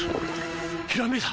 ひらめいた！